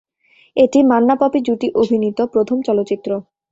এটি "মান্না-পপি" জুটি অভিনীত প্রথম চলচ্চিত্র।